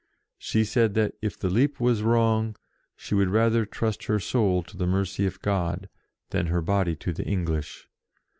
She said that, if the leap was wrong , she would rather trust her soul to the mercy of God, than her body to the English.